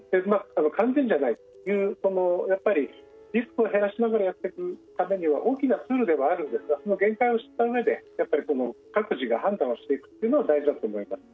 完全じゃないというリスクを減らしながらやってくためには大きなツールではあるんですがその限界を知ったうえで各自が判断していくっていうのが大事だと思います。